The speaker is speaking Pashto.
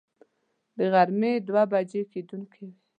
د غرمې دوه بجې کېدونکې وې.